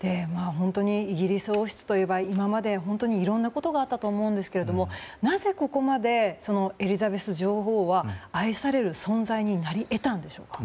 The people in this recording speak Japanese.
イギリス王室といえば今まで本当にいろんなことがあったと思うんですがなぜここまでエリザベス女王は愛される存在になり得たんでしょうか。